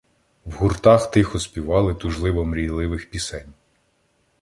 В гуртах тихо співали тужливо-мрійних пісень.